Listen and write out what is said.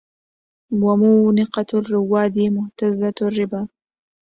ومونقة الرواد مهتزة الربا